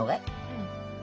うん。